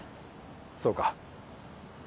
そうか。